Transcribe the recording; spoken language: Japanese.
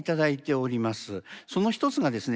その一つがですね